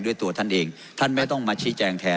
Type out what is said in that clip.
ด้วยตัวท่านเองท่านไม่ต้องมาชี้แจงแทน